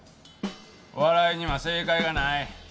笑いには正解がない。